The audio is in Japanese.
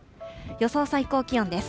予想最高気温です。